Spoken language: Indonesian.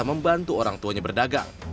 membantu orang tuanya berdagang